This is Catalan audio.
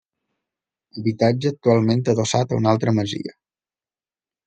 Habitatge actualment adossat a una altra masia.